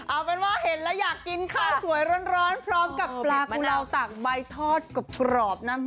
เอาเป็นว่าเห็นแล้วอยากกินข้าวสวยร้อนพร้อมกับปลากุลาวตากใบทอดกรอบนะ